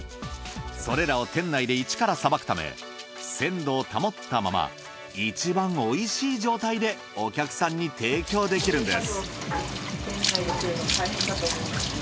それらを店内で一からさばくため鮮度を保ったままいちばんおいしい状態でお客さんに提供できるんです。